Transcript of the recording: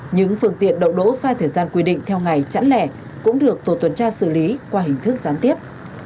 những phương tiện đậu đỗ sai thời gian quy định theo ngày chẵn lẻ cũng được tổ tuần tra xử lý qua hình thức gián tiếp